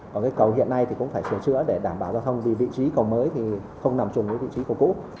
còn cầu hiện nay cũng phải sửa chữa để đảm bảo giao thông vì vị trí cầu mới không nằm chung với vị trí cầu cũ